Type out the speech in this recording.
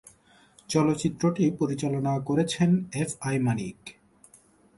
চলচ্চিত্রটি পরিচালনা করেছেন এফ আই মানিক।